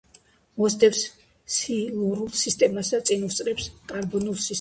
მოსდევს სილურულ სისტემას და წინ უსწრებს კარბონულ სისტემას.